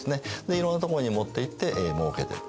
いろんな所に持っていってもうけてる。